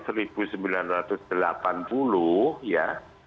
dulu pada tahun seribu sembilan ratus delapan puluh ya